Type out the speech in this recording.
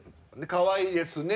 かわいいですね。